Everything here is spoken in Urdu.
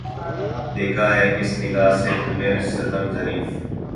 دیکھا ہے کس نگاہ سے تو نے ستم ظریف